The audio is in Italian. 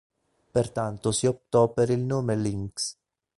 Pertanto si optò per il nome Lynx.